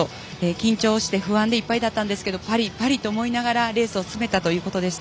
緊張して不安でいっぱいでしたがパリ、パリと思いながらレースを進めたということです。